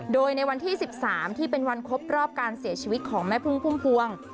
โดยในวันที่๑๓ที่เป็นวันครบรอบการเสียชีวิตของแม่พึ่งพุ่มพวง